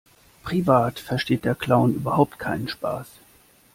Privat versteht der Clown überhaupt keinen Spaß.